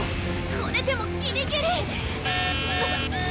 これでもギリギリ。